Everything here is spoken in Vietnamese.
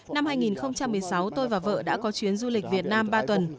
năm hai nghìn một mươi sáu tôi và vợ đã có chuyến du lịch việt nam ba tuần